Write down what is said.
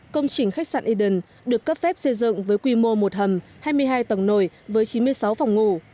công trình khách sạn eden được cấp phép xây dựng với quy mô một hầm hai mươi hai tầng nồi với chín mươi sáu phòng ngủ